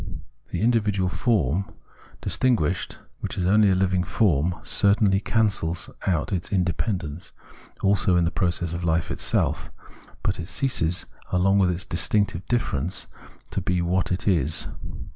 The individual form dis 174 Phenomenology of Mind tinguislied, which is only a hving form, certainly cancels its independence also in the process of life itself ; but it ceases along with its distinctive difference to be what it is.